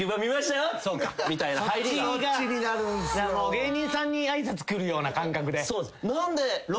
芸人さんに挨拶来るような感覚で。